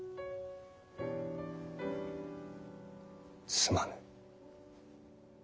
すまぬ。